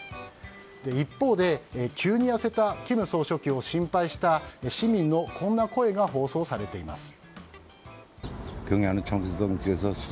一方で急に痩せた金総書記を心配した市民のこんな声が放送されています。